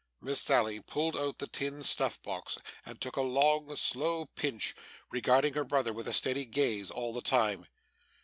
Miss Sally pulled out the tin snuff box, and took a long, slow pinch, regarding her brother with a steady gaze all the time.